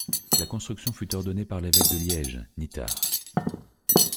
La construction fut ordonnée par l'évêque de Liège, Nithard.